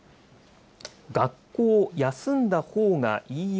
学校休んだほうがいいよ